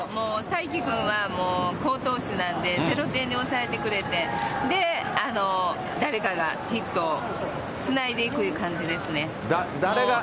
さいき君は好投手なんで、ゼロ点で抑えてくれて、誰かがヒットをつないでいくいう感じです誰が？